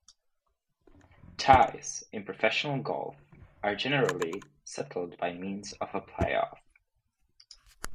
Ties in professional golf are generally settled by means of a playoff.